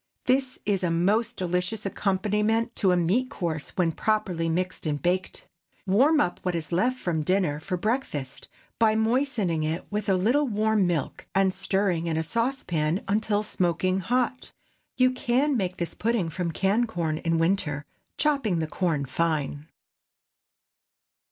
This is a most delicious accompaniment to a meat course, when properly mixed and baked. Warm up what is left from dinner for breakfast, by moistening it with a little warm milk, and stirring in a saucepan until smoking hot. You can make this pudding from canned corn in winter, chopping the corn fine.